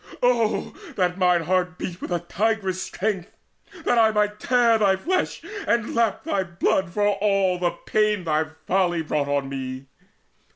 Oh that mine heart beat with a tigress' strength, That I might tear thy flesh and lap thy blood For all the pain thy folly brought on me!